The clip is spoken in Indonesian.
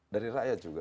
dari rakyat juga